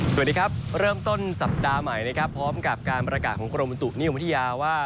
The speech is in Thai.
สวัสดีครับเริ่มต้นสัปดาห์ใหม่นะครับพร้อมกับการประกาศของกรมบุตุนิยมวิทยาว่า